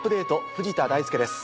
藤田大介です。